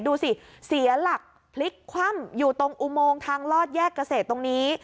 ดูสิเสียหลักพลิกคว่ำอยู่ตรงอุโมงทางลอดแยกเกษตรตรงนี้